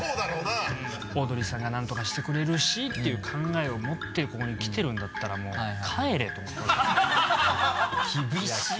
オードリーさんが何とかしてくれるしていう考えを持ってここに来ているんだったらもう帰れと思いますよね。